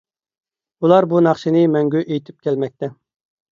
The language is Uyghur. ئۇلار بۇ ناخشىنى مەڭگۈ ئېيتىپ كەلمەكتە.